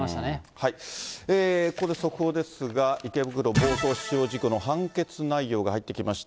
ここで速報ですが、池袋暴走死傷事故の判決内容が入ってきました。